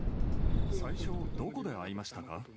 最初、どこで会いましたか？